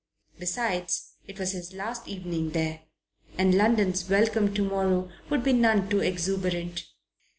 Besides, it was his last evening there, and London's welcome tomorrow would be none too exuberant.